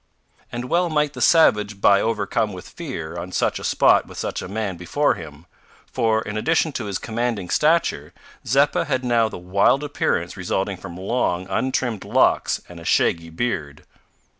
And well might the savage by overcome with fear, on such a spot with such a man before him, for, in addition to his commanding stature, Zeppa had now the wild appearance resulting from long untrimmed locks and a shaggy beard.